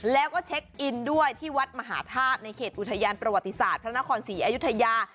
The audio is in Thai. แล้วก็เช็คอินด้วยที่วัดมหาธาตุในเขตอุทยานประวัติศาสตร์พระนครศรีอยุธยา